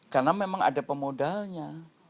karena memang ada pemodalnya